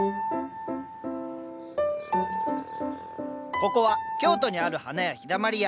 ここは京都にある花屋「陽だまり屋」。